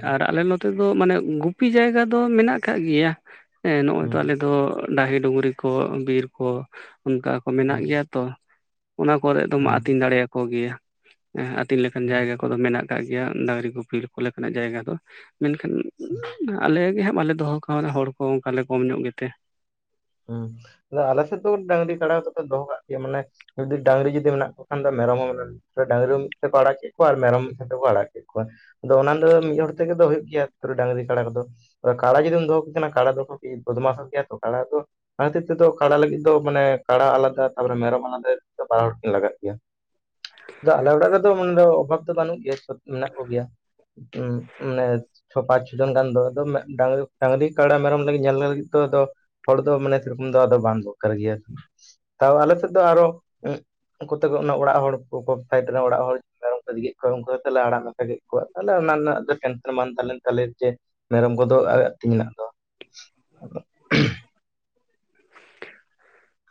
ᱱᱤᱛᱚᱜ ᱫᱚ ᱢᱟᱱᱮ ᱜᱩᱯᱤ ᱡᱟᱭᱜᱟ ᱫᱚ ᱢᱮᱱᱟᱜ ᱟᱠᱟᱫ ᱜᱮᱭᱟ ᱾ ᱱᱚ ᱚᱭ ᱛᱚ ᱟᱞᱮ ᱦᱩᱸ ᱫᱚ ᱰᱟᱹᱦᱤ ᱰᱩᱝᱨᱤ ᱠᱚ ᱵᱤᱨ ᱠᱚ ᱚᱱᱠᱟ ᱠᱚ ᱢᱮᱱᱟᱜ ᱦᱩᱸ ᱜᱮᱭᱟ ᱛᱚ ᱾ ᱚᱱᱟ ᱠᱚᱨᱮ ᱫᱚ ᱟᱢ ᱦᱩᱸ ᱟᱹᱛᱤᱧ ᱫᱟᱲᱮᱭᱟᱠᱚ ᱜᱮᱭᱟᱸ ᱟᱹᱛᱤᱧ ᱦᱩᱸ ᱞᱮᱠᱟᱱ ᱦᱩᱸ ᱡᱟᱭᱜᱟ ᱠᱚᱫᱚ ᱢᱮᱱᱟᱜ ᱜᱮᱭᱟ ᱾ ᱟᱜ ᱜᱮᱭᱟ ᱰᱟᱝᱨᱤ ᱜᱩᱯᱤ ᱠᱚ ᱞᱮᱠᱟᱱᱟᱜ ᱡᱟᱭᱜᱟ ᱫᱚ ᱢᱮᱱᱠᱷᱟᱱ ᱟᱞᱮ ᱜᱮ ᱦᱟᱸᱜ ᱵᱟᱞᱮ ᱫᱚᱦᱚ ᱦᱚᱲ ᱠᱚ ᱚᱱᱠᱟ ᱞᱮ ᱠᱚᱢ ᱧᱚᱜ ᱜᱮᱛᱮ ᱾ ᱦᱮᱸ ᱟᱫᱚ ᱟᱞᱮ ᱥᱮᱫ ᱫᱚ ᱰᱟᱹᱝᱨᱤ ᱠᱟᱰᱟ ᱫᱚᱦᱚ ᱠᱟᱜ ᱜᱮᱭᱟ ᱢᱟᱱᱮ ᱡᱩᱫᱤ ᱰᱟᱝᱝᱨᱤ ᱡᱩᱫᱤ ᱢᱮᱱᱟᱜ ᱠᱚ ᱠᱷᱟᱱ ᱫᱚ ᱢᱮᱨᱚᱢ ᱦᱚᱸ ᱰᱟᱝᱨᱤ ᱦᱚ ᱢᱤᱫ ᱛᱮᱠᱚ ᱟᱲᱟᱜ ᱮᱛ ᱠᱚᱣᱟ ᱟᱨ ᱢᱮᱨᱚᱢ ᱢᱤᱫ ᱥᱟᱶᱛᱮ ᱠᱚ ᱟᱲᱟᱜ ᱠᱮᱛ ᱠᱚᱣᱟ ᱾ ᱟᱫᱚ ᱚᱱᱟ ᱫᱚ ᱢᱤᱫ ᱦᱚᱲ ᱛᱮᱜᱮ ᱫᱚ ᱦᱩᱭᱩᱜ ᱜᱮᱭᱟ ᱛᱚ ᱰᱟᱝᱨᱤ ᱠᱟᱰᱟ ᱠᱚᱫᱚ ᱾ ᱠᱟᱲᱟ ᱡᱩᱫᱤᱢ ᱫᱚᱦᱚ ᱠᱤᱱᱟ ᱠᱟᱲᱟ ᱫᱚ ᱠᱟᱹᱴᱤᱡ ᱵᱚᱫᱽᱢᱟᱥᱚᱜ ᱜᱮᱭᱟ ᱛᱚ ᱠᱟᱲᱟ ᱫᱚ᱾ ᱚᱱᱟ ᱠᱷᱟᱹᱛᱤᱨ ᱛᱮᱫᱚ ᱠᱟᱲᱟ ᱞᱟᱹᱜᱤᱫ ᱫᱚ ᱢᱟᱱᱮ ᱠᱟᱲᱟ ᱟᱞᱟᱫᱟ, ᱛᱟᱨᱯᱚᱨᱮ ᱢᱮᱨᱚᱢ ᱟᱞᱟᱫᱟ ᱫᱚ ᱵᱟᱨ ᱦᱚᱲ ᱠᱤᱱ ᱞᱟᱜᱟᱜ ᱜᱮᱭᱟ ᱾ ᱟᱫᱚ ᱟᱞᱮ ᱚᱲᱟᱜ ᱨᱮᱫᱚ ᱚᱵᱷᱟᱵᱽ ᱫᱚ ᱵᱟᱹᱱᱩᱜ ᱜᱮᱭᱟ ᱥᱚᱵ ᱢᱮᱱᱟᱜ ᱠᱚᱜᱮᱭᱟ ᱾ [unintelligible] ᱪᱷᱚ ᱯᱟᱸᱪ ᱪᱷᱚ ᱡᱚᱱ ᱜᱟᱱ ᱫᱚᱦᱚ ᱫᱚ ᱰᱟᱝᱨᱤ ᱠᱟᱲᱟ ᱢᱮᱨᱚᱢ ᱞᱟᱹᱜᱤᱫ ᱧᱮᱞ ᱞᱟᱹᱜᱤᱫ ᱫᱚ ᱦᱚᱲ ᱢᱟᱱᱮ ᱥᱮᱨᱚᱠᱚᱢ ᱫᱚ ᱟᱫᱚ ᱵᱟᱝ ᱫᱚᱨᱠᱟᱨ ᱜᱮᱭᱟ, ᱛᱟᱣ ᱟᱞᱮ ᱥᱮᱫ ᱫᱚ ᱟᱨᱚ ᱩᱱᱠᱩ ᱠᱚᱛᱮᱠ ᱚᱲᱟᱜ ᱦᱚᱲ ᱠᱚᱭᱮᱵ ᱥᱟᱭᱤᱴ ᱚᱲᱟᱜ ᱦᱚᱲ ᱢᱮᱨᱚᱢ ᱠᱚ ᱤᱫᱤ ᱠᱮᱫ ᱠᱚᱣᱟ ᱚᱱᱠᱟ ᱠᱟᱛᱮᱫ ᱞᱮ ᱟᱲᱟᱜᱼᱟ ᱾ ᱨᱮᱜᱮᱡ ᱠᱚᱣᱟ ᱛᱟᱦᱮ, ᱚᱱᱟ ᱨᱮᱱᱟᱜ ᱫᱚ ᱴᱮᱱᱥᱮᱱ ᱵᱟᱝ ᱛᱟᱦᱮᱸᱞᱮᱱ ᱛᱟᱦᱮ ᱡᱮ ᱢᱮᱨᱚᱢ ᱠᱚᱫᱚ ᱟᱭᱟᱜ ᱛᱤᱧ ᱨᱮᱱᱟᱜ ᱫᱚ᱾ [unintelligible]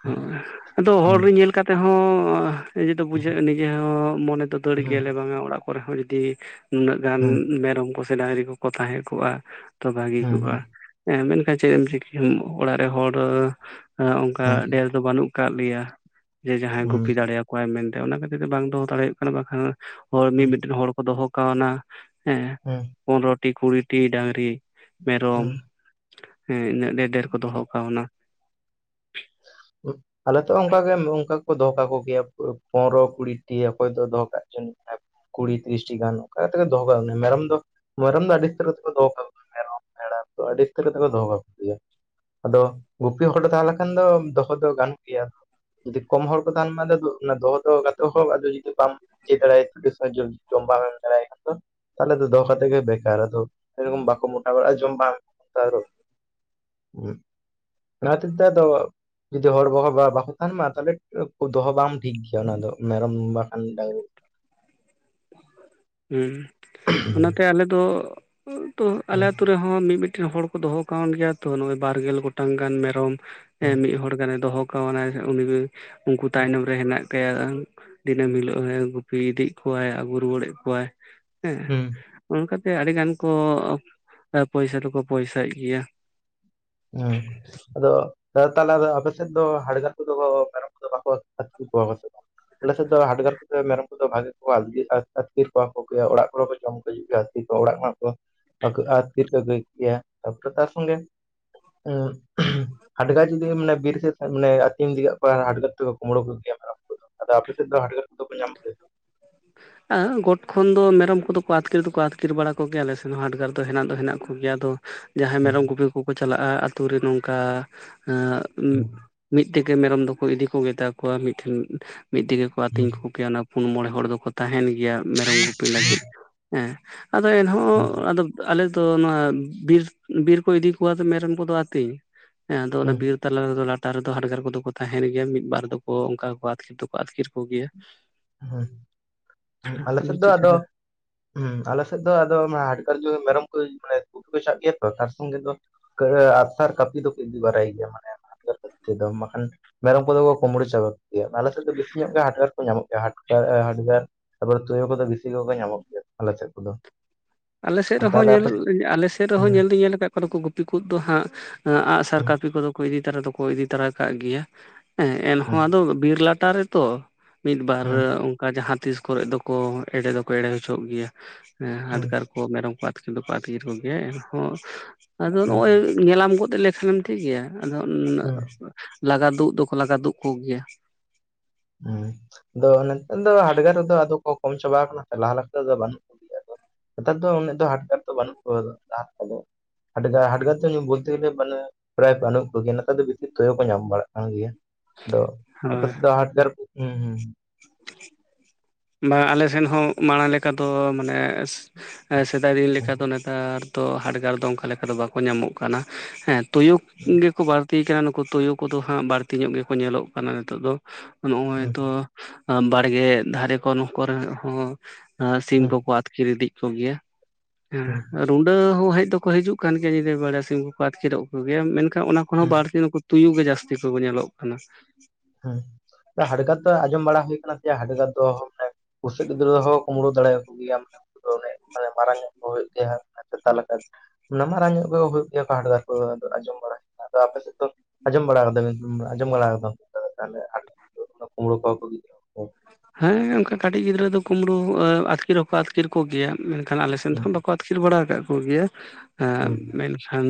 ᱦᱚᱭ ᱟᱫᱚ ᱦᱚᱲ ᱦᱩᱸ ᱨᱮᱱ ᱧᱮᱞ ᱠᱟᱛᱮ ᱦᱚᱸ ᱱᱤᱡᱮ ᱫᱚ ᱦᱩᱸ ᱵᱩᱡᱷᱟᱹᱜᱼᱟ ᱱᱤᱡᱮ ᱦᱚᱸ ᱢᱚᱱᱮ ᱫᱚ ᱫᱟᱹᱲ ᱦᱩᱸ ᱜᱮᱭᱟᱞᱮ ᱵᱟᱝ ᱟ ᱚᱲᱟᱜ ᱠᱚᱨᱮ ᱦᱚᱸ ᱡᱩᱫᱤ ᱩᱱᱟᱹᱜ ᱜᱟᱱ ᱦᱩᱸ ᱢᱮᱨᱚᱢ ᱠᱚᱥᱮ, ᱰᱟᱝᱨᱤ ᱠᱚᱠᱚ ᱛᱟᱦᱮᱸ ᱠᱚᱜᱼᱟ ᱛᱚ ᱵᱷᱟᱹᱜᱤ ᱦᱩᱸ ᱠᱚᱜᱼᱟ ᱦᱩᱸ ᱾ ᱦᱸ ᱢᱮᱱᱠᱷᱟᱱ ᱪᱮᱫ ᱮᱢ ᱪᱤᱠᱤ ᱚᱲᱟᱜ ᱨᱮ ᱦᱚᱲ ᱚᱱᱠᱟ ᱦᱩᱸ ᱰᱷᱮᱨ ᱵᱟᱹᱱᱩᱜ ᱠᱟᱜ ᱞᱮᱭᱟ ᱡᱮ ᱡᱟᱦᱟᱸᱭ ᱦᱩᱸ ᱜᱩᱯᱤ ᱫᱟᱲᱮᱭᱟᱠᱚ ᱠᱚᱣᱟᱭ ᱢᱮᱱᱛᱮ, ᱟᱫ ᱚᱱᱟ ᱠᱷᱟᱹᱛᱤᱨ ᱛᱮ ᱵᱟᱝ ᱫᱚᱦᱚ ᱫᱟᱲᱮ ᱦᱩᱭᱩᱜ ᱠᱟᱱᱟ ᱵᱟᱠᱷᱟᱱ ᱦᱚᱲ ᱢᱤᱫᱴᱮᱱ ᱦᱚᱲ ᱠᱚ ᱫᱚᱦᱚ ᱠᱟᱣᱱᱟ ᱦᱮᱸ ᱦᱩᱸ ᱯᱚᱱᱨᱚᱴᱤ, ᱠᱩᱲᱤᱴᱤ ᱰᱟᱝᱨᱤ, ᱢᱮᱨᱚᱢ ᱦᱩᱸ ᱾ ᱦᱮᱸ ᱤᱱᱟᱹᱜ ᱰᱷᱮᱨ ᱰᱷᱮᱨ ᱠᱚ ᱫᱚᱦᱚ ᱠᱟᱶᱱᱟ ᱾ ᱟᱞᱮ ᱛᱚ ᱚᱱᱠᱟᱜᱮ ᱚᱱᱠᱟᱭ ᱫᱚᱦᱚ ᱠᱟᱠᱚ ᱜᱮᱭᱟ ᱯᱚᱱᱚᱨᱚ, ᱠᱩᱲᱤᱴᱤ ᱚᱠᱚᱭ ᱫᱚ ᱫᱚᱦᱚ ᱠᱟᱜ ᱪᱚ ᱠᱩᱲᱤ ᱛᱤᱨᱤᱥᱴᱤ ᱜᱟᱱ ᱚᱱᱠᱟ ᱠᱟᱛᱮ ᱫᱚᱦᱚ ᱠᱟᱜ ᱚᱱᱟ ᱢᱮᱨᱚᱢ ᱫᱚ ᱢᱮᱨᱚᱢ ᱫᱚ ᱟᱹᱰᱤ ᱩᱛᱟᱹᱨ ᱛᱮᱠᱚ ᱫᱚᱦᱚ ᱠᱟᱜ ᱠᱚᱣᱟ ᱢᱮᱨᱚᱢ, ᱯᱮᱲᱟ ᱠᱚ ᱟᱹᱰᱤ ᱩᱛᱟᱹᱨ ᱠᱟᱛᱮ ᱠᱚ ᱫᱚᱦᱚ ᱠᱟᱠᱩᱶᱟ ᱟᱫᱚ ᱜᱩᱯᱤ ᱦᱚᱲ ᱫᱚ ᱞᱮᱠᱷᱟᱱ ᱫᱚᱼᱼ ᱫᱚᱦᱚ ᱫᱚ ᱜᱟᱱ ᱜᱮᱮᱭᱟ ᱡᱩᱫᱤ ᱠᱚᱢ ᱦᱚᱲ ᱠᱚ ᱛᱟᱦᱮᱱ ᱢᱟ ᱫᱚᱦᱚ ᱫᱚᱛᱮ ᱦᱠ ᱟᱫᱚ ᱡᱩᱫᱤ ᱵᱟᱢᱼᱼ ᱡᱮ ᱫᱟᱨᱟᱭ ᱛᱮ ᱵᱤᱥᱚᱡᱡᱩᱱ ᱥᱚᱢᱵᱟᱨ ᱨᱮ ᱫᱟᱨᱟᱭ ᱠᱟᱱᱫᱚ ᱛᱟᱦᱚᱞᱮ ᱫᱚᱦᱚ ᱠᱟᱛᱮᱜ ᱜᱮ ᱵᱮᱠᱟᱨ ᱟᱫᱚ ᱥᱮᱨᱚᱠᱚᱢ ᱵᱟᱠᱚ ᱢᱚᱴᱟ ᱵᱟᱲᱟᱜᱼᱟ ᱡᱚᱢ ᱵᱟᱝ ᱮᱢ ᱠᱟᱛᱮᱫ ᱟᱨᱚ ᱛᱚᱼᱼ [inaudible] ᱚᱱᱟ ᱦᱚᱛᱮ ᱛᱮ ᱫᱟ‌ ᱫᱚᱼᱼ ᱡᱩᱫᱤ ᱦᱚᱲ ᱵᱟᱠᱚ ᱛᱟᱦᱮᱱ ᱢᱟ ᱛᱟᱦᱚᱞᱮ ᱫᱚᱦᱚ ᱵᱟᱝ ᱴᱷᱤᱠ ᱜᱮᱭᱟ ᱚᱱᱟ ᱫᱚ ᱢᱮᱨᱚᱢ ᱵᱟᱠᱷᱟᱱ ᱰᱟᱝᱨᱤ᱾ ᱦᱩᱸ ᱚᱱᱟᱛᱮ ᱟᱞᱮ ᱫᱚ ᱟᱞᱮ ᱟᱛᱩ ᱨᱮᱼᱼ ᱢᱤᱫ ᱢᱤᱫᱴᱮᱱ ᱦᱚᱲ ᱠᱚ ᱫᱚᱦᱚ ᱟᱠᱟᱣᱱ ᱜᱮᱭᱟ ᱛᱚ ᱱᱚᱜᱚᱭ ᱵᱟᱨ ᱜᱮᱞ ᱜᱚᱴᱟᱝ ᱜᱟᱱ ᱢᱮᱨᱚᱢ᱾ ᱢᱤᱫ ᱦᱚᱲ ᱜᱟᱱᱮ ᱫᱚᱦᱚ ᱠᱟᱣᱱᱟ ᱩᱱᱤ ᱩᱱᱠᱩ ᱛᱟᱭᱱᱚᱢ ᱨᱮ ᱦᱮᱱᱟᱜᱼᱼ ᱠᱟᱭᱟ ᱫᱤᱱᱟᱹᱢ ᱦᱤᱞᱳᱜ ᱜᱩᱯᱤ ᱤᱫᱤᱭᱮᱫ ᱠᱚᱣᱟᱭ ᱟᱹᱜᱩ ᱨᱩᱣᱟᱹᱲᱮᱫ ᱠᱚᱣᱟᱭ, ᱦᱮᱸ ᱦᱩᱸ ᱚᱱᱠᱟᱛᱮ ᱟᱹᱰᱤ ᱜᱟᱱ ᱠᱚ ᱯᱚᱭᱥᱟ ᱫᱚᱠᱚ ᱯᱚᱭᱥᱟᱭᱮᱫ ᱜᱮᱭᱟ᱾ ᱦᱮᱸ ᱟᱫᱚᱼᱼ ᱛᱟᱦᱮ ᱫᱚ ᱟᱯᱮᱥᱷᱮᱱ ᱫᱚ ᱦᱟᱰᱜᱟᱨ ᱠᱚᱫᱚ ᱢᱮᱨᱚᱢ ᱠᱚᱫᱚ ᱵᱟᱠᱚ ᱟᱹᱛᱠᱤᱨ ᱠᱚᱣᱟ ᱠᱚ ᱥᱮ ᱵᱟᱝ? ᱟᱞᱮᱥᱮᱫ ᱫᱚ ᱦᱟᱰᱜᱟᱨ ᱠᱚᱫᱚ ᱢᱮᱨᱚᱢ ᱠᱚᱫᱚ ᱵᱷᱟᱜᱮ ᱠᱚ ᱟᱹᱛᱠᱤᱨ ᱠᱚᱣᱟ ᱠᱚ ᱜᱮᱭᱟ ᱚᱲᱟᱜ ᱠᱚᱨᱮ ᱠᱚ ᱡᱚᱢ ᱠᱚ ᱦᱤᱡᱩᱜ ᱜᱮᱭᱟᱼᱼ ᱠᱚ ᱚᱲᱟᱜ ᱠᱷᱚᱱᱟᱜ ᱠᱚ ᱟᱹᱠᱟᱹᱜᱼᱟ ᱛᱤᱨ ᱠᱚ ᱟᱹᱜᱩᱭᱮᱫ ᱜᱮᱭᱟ ᱛᱟᱯᱚᱨᱮ ᱛᱟᱨ ᱥᱚᱸᱜᱮᱼᱼ ᱦᱮᱢ [unintelligible] ᱦᱟᱰᱜᱟᱨ ᱡᱩᱫᱤ ᱢᱟᱱᱮ ᱵᱤᱨ ᱥᱮᱫ ᱟᱹᱛᱤᱧ ᱫᱜᱟᱜ ᱠᱚ ᱦᱟᱰᱜᱟᱨ ᱛᱮᱫᱚ ᱠᱩᱢᱵᱽᱲᱳ ᱠᱮᱫ ᱜᱮᱭᱟ᱾ ᱟᱫᱚ ᱟᱯᱮ ᱥᱮᱫ ᱫᱚ ᱦᱟᱰᱜᱟᱨ ᱠᱚᱫᱚ ᱠᱚ ᱧᱟᱢᱯᱮᱭᱟ? ᱟᱨ ᱜᱚᱴ ᱠᱷᱚᱱ ᱫᱚ ᱢᱮᱨᱚᱢ ᱠᱚᱫᱚ ᱠᱚ ᱟᱹᱛᱠᱤᱨ ᱫᱚᱠᱚ ᱟᱹᱛᱠᱤᱨ ᱵᱟᱲᱟ ᱠᱚᱜᱮᱭᱟ ᱟᱞᱮ ᱥᱮᱱ ᱦᱚᱸ ᱦᱟᱰ ᱜᱟᱨ ᱫᱚ ᱦᱮᱱᱟᱜ ᱫᱚ ᱦᱮᱱᱟᱜ ᱠᱚᱜᱮᱭᱟ ᱟᱫᱚᱼᱼ ᱡᱟᱦᱟᱸᱭ ᱦᱩᱸ ᱢᱮᱨᱚᱢ ᱜᱤᱯᱤ ᱠᱚᱠᱚ ᱪᱟᱞᱟᱜᱼᱟ ᱟᱹᱛᱳ ᱨᱮ ᱱᱚᱝᱠᱟᱼᱼ ᱦᱩᱸ ᱢᱤᱫ ᱛᱮᱜᱮ ᱢᱮᱨᱚᱢ ᱫᱚᱠᱚ ᱤᱫᱤ ᱠᱚ ᱜᱮᱛᱟ ᱠᱚᱣᱟ ᱢᱤᱫ ᱴᱷᱮᱱ ᱢᱤᱫᱜ ᱛᱮᱜᱮ ᱠᱚ ᱦᱩᱸ ᱟᱛᱤᱧ ᱠᱚᱼᱼ ᱭᱟ ᱚᱱᱟ ᱯᱩᱱ ᱢᱚᱬᱮ ᱦᱚᱲ ᱫᱚᱠᱚ ᱛᱟᱦᱮᱱ ᱜᱮᱭᱟ ᱢᱮᱨᱚᱢ ᱜᱩᱯᱤ ᱞᱟᱹᱜᱤᱫ ᱦᱮᱸ, ᱟᱫᱚ ᱮᱱᱦᱚᱸ ᱦᱩᱸ ᱟᱫᱚ ᱟᱞᱮᱫᱚ ᱱᱚᱣᱟ ᱵᱤᱨ ᱵᱤᱨ ᱠᱚ ᱤᱫᱤ ᱠᱚᱣᱟ ᱢᱮᱨᱚᱢ ᱠᱚᱫᱚ ᱟᱹᱛᱤᱧ᱾ ᱦᱮᱸ ᱟᱫᱚ ᱵᱚᱞᱮ ᱦᱩᱸ ᱵᱤᱨᱼᱼ ᱛᱟᱞᱟ ᱨᱮᱫᱚ ᱞᱟᱴᱟ ᱨᱮᱫᱚ ᱦᱟᱰᱜᱟᱨ ᱠᱚᱫᱚ ᱠᱚ ᱛᱟᱦᱮᱱ ᱜᱮᱭᱟ ᱢᱤᱫ ᱵᱟᱨ ᱫᱚᱠᱚ ᱚᱱᱠᱟ ᱟᱹᱛᱠᱤᱨ ᱫᱚᱠᱚ ᱟᱹᱛᱠᱤᱨ ᱠᱚ ᱜᱮᱭᱟ᱾ ᱦᱮ ᱟᱞᱮ ᱥᱮᱫ ᱟᱫᱚᱢ ᱫᱚ ᱪᱤᱠᱟᱹ ᱟᱫᱚᱼᱼ ᱦᱮ ᱟᱞᱮ ᱥᱮᱫ ᱫᱚ ᱟᱫᱚ ᱦᱟᱰᱠᱟᱨ ᱠᱚ ᱢᱮᱨᱚᱢ ᱠᱚ ᱢᱟᱱᱮ ᱜᱩᱯᱤ ᱠᱚ ᱪᱟᱜ ᱜᱮᱭᱟ ᱛᱚ ᱛᱟᱨ ᱥᱚᱝᱜᱮ ᱫᱚᱼᱼ ᱟᱹᱜᱥᱟᱨ ᱠᱟᱹᱯᱤ ᱫᱚ ᱠᱤ ᱵᱟᱨᱟᱭ ᱜᱮᱭᱟ ᱢᱟᱱᱮᱼᱼ ᱛᱮᱫᱚ ᱵᱟᱝᱠᱷᱟᱱ ᱢᱮᱨᱚᱢ ᱠᱚᱫᱚ ᱠᱚ ᱠᱩᱢᱲᱩ ᱪᱟᱵᱟ ᱜᱮᱭᱟ ᱟᱞᱮ ᱥᱮᱫ ᱫᱚ ᱵᱤᱥᱤ ᱧᱚᱜ ᱜᱮ ᱦᱟᱰᱜᱟᱨ ᱠᱚ ᱧᱟᱢᱚᱜ ᱠᱟᱱᱟ ᱦᱟᱰᱜᱟᱨ ᱛᱟᱯᱚᱨᱮ ᱛᱩᱭᱩ ᱠᱚᱫᱚ ᱵᱤᱥᱤ ᱠᱚᱜᱮ ᱧᱟᱢᱚᱜ ᱜᱮᱭᱟ ᱟᱞᱮ ᱥᱮᱫ ᱠᱚᱫᱚ᱾ ᱟᱞᱮ ᱥᱮᱫ ᱨᱮᱦᱚᱸ ᱛᱟᱦᱚᱞᱮ ᱧᱮᱞ ᱟᱯᱮ ᱟᱞᱮ ᱥᱮᱫ ᱨᱮᱦᱚᱸ ᱦᱩᱸ ᱧᱮᱞ ᱫᱚᱧ ᱧᱮᱞ ᱟᱠᱟᱫ ᱠᱚ ᱱᱩᱠᱚ ᱜᱩᱯᱤ ᱠᱚ ᱫᱚ ᱦᱟᱸᱜ᱾ ᱟᱸᱜᱥᱟᱨ ᱦᱩᱸ ᱠᱟᱹᱯᱤ ᱠᱚᱫᱚ᱾ ᱤᱫᱤ ᱛᱟᱨᱟ ᱫᱚᱠᱚ ᱤᱫᱤ ᱛᱟᱨᱟ ᱠᱟᱜ ᱜᱮᱭᱟ ᱦᱮᱸ ᱮᱱᱦᱚᱸ ᱦᱩᱸ ᱟᱫᱚ ᱵᱤᱨ ᱞᱟᱴᱟ ᱨᱮᱛᱚᱼᱼ ᱢᱤᱫ ᱵᱟᱨ ᱦᱩᱸ ᱚᱱᱠᱟ ᱡᱟᱦᱟᱸ ᱛᱤᱥ ᱠᱚᱨᱮ ᱫᱚᱠᱚ ᱮᱲᱮ ᱫᱚᱠᱚ ᱮᱲᱮ ᱦᱚᱪᱚᱜ ᱜᱮᱭᱟ ᱦᱟᱰᱜᱟᱨᱼᱼ ᱦᱩᱸ ᱢᱮᱨᱚᱢ ᱠᱚ ᱟᱛᱠᱤᱨ ᱫᱚᱠᱚ ᱟᱛᱠᱤᱨ ᱠᱚᱜᱮ ᱮᱱᱦᱚᱸ ᱟᱫᱚ ᱱᱚᱜᱼᱚᱭᱼᱼ ᱧᱮᱞᱟᱢ ᱜᱚᱫ ᱞᱮᱠᱷᱟᱱᱮᱢ ᱴᱷᱤᱠ ᱜᱮᱭᱟ ᱟᱫᱚ ᱩᱱᱟᱹᱜ ᱦᱩᱸ ᱞᱟᱜᱟ ᱛᱩᱜ ᱫᱚᱠᱚ ᱞᱟᱜᱟ ᱛᱩᱜ ᱠᱚᱜᱮᱭᱟ᱾ ᱦᱮᱸ ᱟᱫᱚ ᱱᱮᱛᱟᱨ ᱫᱚ ᱦᱟᱰᱜᱟᱨ ᱨᱮᱫᱚ ᱟᱫᱚ ᱠᱚ ᱠᱚᱢ ᱪᱟᱵᱟ ᱠᱟᱱᱟ ᱞᱟᱦᱟ ᱞᱮᱠᱟᱮᱫ ᱫᱚ ᱵᱟᱹᱱᱩᱜ ᱠᱩᱞᱤᱭᱟ᱾ ᱱᱮᱛᱟᱨ ᱫᱚ ᱩᱱᱟᱹᱜ ᱫᱚ ᱦᱟᱰᱜᱟᱨ ᱫᱚ ᱵᱟᱹᱱᱩᱜ ᱠᱚᱫᱚ᱾ ᱦᱟᱰᱜᱨ ᱦᱟᱰᱜᱟᱨ ᱵᱚᱞᱛᱮᱛᱤᱮ ᱯᱨᱟᱭ ᱵᱟᱹᱱᱩᱜ ᱠᱚᱜᱮᱭᱟ ᱱᱮᱛᱟᱨ ᱫᱚ ᱵᱤᱥᱤ ᱛᱳᱭᱳ ᱠᱚ ᱧᱟᱢ ᱵᱟᱲᱟᱜ ᱠᱟᱱ ᱜᱮᱭᱟ, ᱟᱫᱚ ᱦᱳᱭ ᱟᱯᱮ ᱥᱮᱫ ᱫᱚ ᱦᱟᱰᱜᱟᱨ ᱦᱚᱢ ᱼᱼ ᱵᱟᱝ ᱟᱞᱮ ᱥᱮᱱ ᱦᱚᱸ ᱢᱟᱲᱟᱝ ᱞᱮᱠᱟ ᱫᱚ ᱢᱟᱱᱮ ᱥᱮᱫᱟᱭ ᱫᱤᱱ ᱞᱮᱠᱟ ᱫᱚ ᱱᱮᱛᱟᱨᱼᱼ ᱛᱚ ᱦᱟᱰᱜᱟᱨ ᱫᱚ ᱚᱱᱠᱟ ᱞᱮᱠᱟ ᱫᱚ ᱵᱟᱠᱚ ᱧᱟᱢᱚᱜ ᱠᱟᱱᱟ ᱦᱮᱸ ᱛᱩᱭᱩ ᱜᱮᱠᱚ ᱵᱟᱨᱼᱼ ᱛᱤ ᱠᱟᱱᱟ ᱱᱩᱠᱩ ᱛᱩᱭᱩ ᱠᱚᱫᱚ ᱦᱟᱸᱜ ᱵᱟᱹᱲᱛᱤ ᱧᱚᱜ ᱜᱮᱠᱚ ᱧᱮᱞᱚᱜ ᱠᱟᱱᱟ ᱱᱤᱛᱚᱜ ᱫᱚ ᱱᱚᱜᱼᱚᱭ ᱦᱩᱸ ᱛᱚᱼᱼ ᱵᱟᱲᱜᱮ ᱫᱷᱟᱨᱮ ᱠᱚ ᱠᱚᱨᱮ ᱦᱚᱸ ᱥᱤᱢ ᱦᱩᱸ ᱠᱚᱠᱚ ᱟᱛᱼᱼ ᱟᱹᱛᱠᱤᱨ ᱤᱫᱤᱜ ᱠᱚᱜᱮᱭᱟ᱾ ᱦᱩᱸ ᱦᱩᱸ ᱦᱮᱸ ᱨᱩᱰᱟᱹ ᱦᱚᱸ ᱦᱮᱡ ᱫᱚᱠᱚ ᱦᱤᱡᱩᱜ ᱠᱟᱱ ᱜᱮᱭᱟ ᱧᱤᱫᱟᱹ ᱵᱮᱲᱟ ᱥᱤᱢ ᱠᱚᱠᱚ ᱟᱹᱛᱠᱤᱨᱚᱜ ᱠᱚᱜᱮᱭᱟ ᱢᱮᱱᱠᱷᱟᱱ ᱚᱱᱟ ᱠᱷᱚᱱ ᱦᱚᱸ ᱦᱩᱸ ᱵᱟᱨᱛᱤ ᱫᱚᱠᱚᱼᱼ ᱛᱩᱭᱩ ᱜᱮ ᱡᱟᱹᱥᱛᱤ ᱠᱚ ᱧᱮᱞᱚᱜ ᱠᱟᱱᱟ᱾ ᱦᱮᱸ ᱦᱟᱰᱜᱟᱨ ᱫᱚ ᱟᱸᱡᱚᱢ ᱵᱟᱲᱟ ᱦᱩᱭ ᱠᱟᱱᱟ ᱦᱟᱰᱜᱟᱨ ᱫᱚ ᱢᱟᱱᱮᱼᱼ ᱵᱩᱥᱟᱹᱜ ᱜᱤᱫᱽᱨᱟᱹ ᱦᱚᱸ ᱠᱩᱢᱲᱩ ᱫᱟᱲᱮᱭᱟᱠᱚ ᱜᱮᱭᱟ ᱾ ᱟᱫᱚ ᱚᱱᱮ ᱢᱟᱨᱟᱝ ᱧᱚᱜ ᱠᱚ ᱦᱩᱭᱩᱜ ᱜᱮᱭᱟ, ᱥᱮᱛᱟ ᱞᱮᱠᱟ ᱾ ᱚᱱᱟ ᱢᱟᱨᱟᱝ ᱧᱚᱜ ᱠᱚ ᱦᱩᱭᱩᱜ ᱜᱮᱭᱟ ᱠᱚ ᱦᱟᱰᱜᱟᱨ ᱠᱚᱫᱚ ᱟᱫᱚ ᱟᱸᱡᱚᱢ ᱵᱟᱲᱟᱼᱼ ᱟᱫᱚ ᱟᱯᱮᱥᱮᱫ ᱫᱚ, ᱟᱡᱚᱢ ᱵᱟᱲᱟ ᱠᱟᱫᱟᱵᱤᱱ, ᱟᱡᱚᱢ ᱵᱟᱲᱟ ᱟᱠᱟᱜᱼᱼ ᱛᱟᱸᱦᱮᱜᱼᱟ, ᱠᱩᱢᱲᱳ ᱠᱚᱣᱟ ᱠᱚᱼᱼ ᱦᱮᱸ ᱚᱱᱠᱟ ᱠᱟᱹᱴᱤᱡ ᱜᱤᱫᱽᱨᱟᱹ ᱫᱚ ᱠᱩᱢᱵᱽᱲᱩ, ᱮᱸ ᱟᱹᱛᱠᱤᱨ ᱦᱚᱸᱠᱚ ᱟᱹᱛᱠᱤᱨ ᱠᱚᱜᱮᱭᱟ ᱢᱮᱱᱠᱷᱟᱱ ᱟᱞᱮ ᱥᱮᱫ ᱦᱩᱸ ᱫᱚ ᱵᱟᱠᱚ ᱟᱹᱛᱠᱼᱼ ᱟᱹᱛᱠᱤᱨ ᱵᱟᱲᱟ ᱠᱟᱜ ᱠᱚᱜᱮᱭᱟ, ᱮᱜ ᱦᱩᱸ ᱢᱮᱱᱠᱷᱟᱱ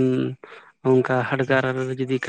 ᱚᱱᱠᱟ ᱦᱟᱰᱜᱟᱨ [unintelligible] ᱡᱩᱫᱤ ᱠᱷᱟᱡ